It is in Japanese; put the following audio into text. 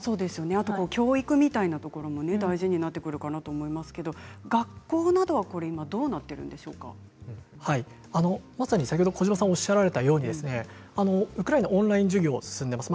あと教育みたいなところも大事になってくるかなと思いますけれども学校などは今はまさに先ほど小島さんもおっしゃられたようにウクライナもオンライン授業が進んでいます。